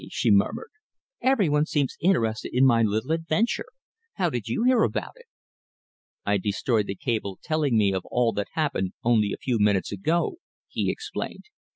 she murmured. "Every one seems interested in my little adventure. How did you hear about it?" "I destroyed the cable telling me of all that happened only a few minutes ago," he explained.